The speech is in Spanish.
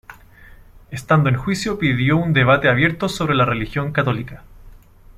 Estando en juicio pidió un debate abierto sobre la religión católica.